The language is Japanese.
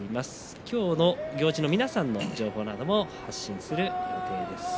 今日の行司の皆さんの情報なども発信する予定です。